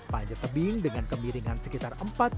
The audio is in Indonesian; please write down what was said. panjat tebing dengan kemiringan sekitar otot kaki